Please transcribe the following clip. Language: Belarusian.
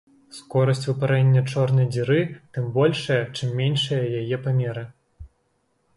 Скорасць выпарэння чорнай дзіры тым большая, чым меншыя яе памеры.